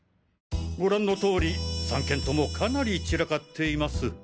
ご覧の通り３件ともかなり散らかっています。